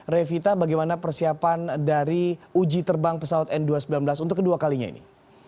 revita bagaimana persiapan dari uji terbang pesawat n dua ratus sembilan belas untuk kedua kalinya ini